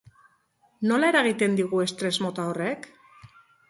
Nola eragiten digu estres mota horrek?